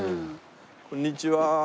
こんにちは。